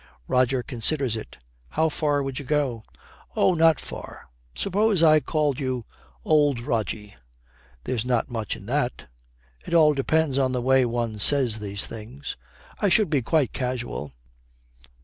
Roger considers it. 'How far would you go?' 'Oh, not far. Suppose I called you "Old Rogie"? There's not much in that.' 'It all depends on the way one says these things.' 'I should be quite casual.'